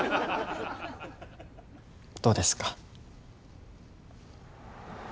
どうですか？